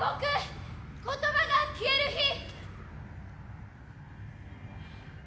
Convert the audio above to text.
言葉が消える日。